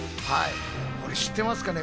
これ知ってますかね？